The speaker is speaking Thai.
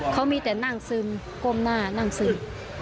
เขามีแต่นั่งซึมก้มหน้านั่งซึม